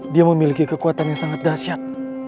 dia memiliki kekuatan yang sangat dahsyat